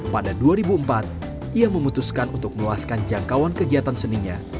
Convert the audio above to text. pada dua ribu empat ia memutuskan untuk meluaskan jangkauan kegiatan seninya